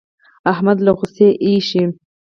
احمد له غوسې اېشي.